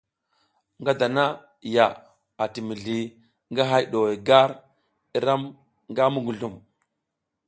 Nga dana ya ati mizli ngi hay du gar i ram nga muguzlum.